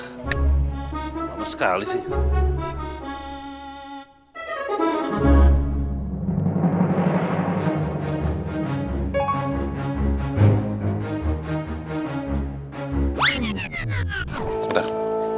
apa sekali sih